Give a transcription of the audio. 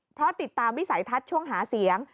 เพราะติดตามวิสัยทัศน์ช่วงหาเสียง